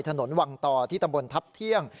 ถนนวังต่อที่ตำบลทัพเที่ยง